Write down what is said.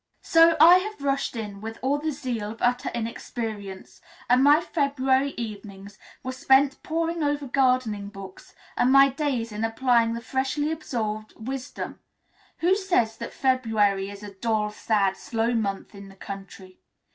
So I have rushed in with all the zeal of utter inexperience, and my February evenings were spent poring over gardening books, and my days in applying the freshly absorbed wisdom. Who says that February is a dull, sad, slow month in the country?